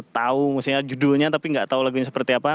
tahu misalnya judulnya tapi nggak tahu lagunya seperti apa